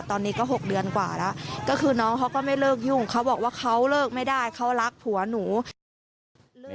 ตอนนี้ก็๖เดือนกว่าแล้วก็คือน้องเขาก็ไม่เลิกยุ่งเขาบอกว่าเขาเลิกไม่ได้เขารักผัวหนู